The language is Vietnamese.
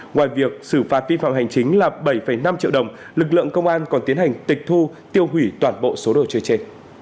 ngoài việc xử phạt vi phạm hành chính là bảy năm triệu đồng lực lượng công an còn tiến hành tịch thu tiêu hủy toàn bộ số đồ chơi trên